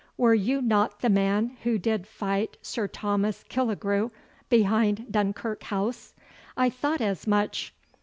Were you not the man who did fight Sir Thomas Killigrew behind Dunkirk House? I thought as much.